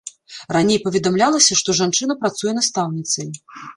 Раней паведамлялася, што жанчына працуе настаўніцай.